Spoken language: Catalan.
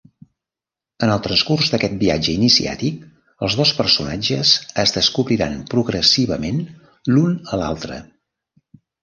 En el transcurs d'aquest viatge iniciàtic, els dos personatges es descobriran progressivament l'un a l'altre.